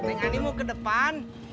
neng ani mau ke depan